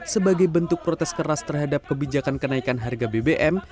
sebagai bentuk protes keras terhadap kebijakan kenaikan harga bbm